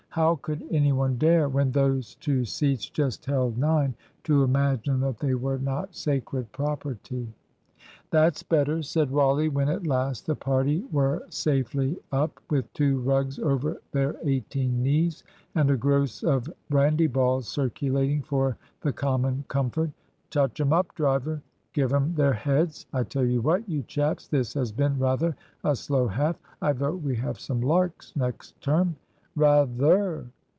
How could any one dare, when those two seats just held nine, to imagine that they were not sacred property? "That's better," said Wally, when at last the party were safely up, with two rugs over their eighteen knees, and a gross of brandy balls circulating for the common comfort. "Touch 'em up, driver. Give 'em their heads! I tell you what, you chaps, this has been rather a slow half. I vote we have some larks next term." "Rather!"